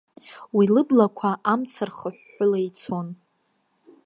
Уи лыблақәа амца рхыҳәҳәыла ицон.